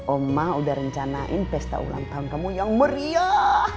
oma udah rencanain pesta ulang tahun kamu yang meriah